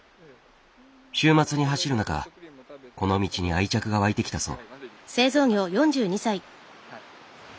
週末に走る中この道に愛着が湧いてきたそう。